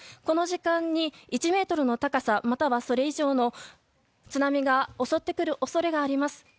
この時間に１ｍの高さまたはそれ以上の津波が襲ってくる恐れがあります。